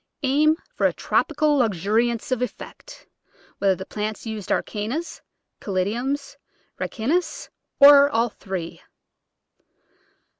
Aim for a tropical luxu riance of effect — whether the plants used are Cannas, Caladiums, Ricinus, or all three.